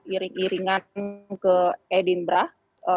iring iringan ke edinburgh